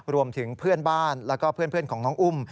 รวมถึงเพื่อนบ้านและเพื่อนของน้องอุ้ม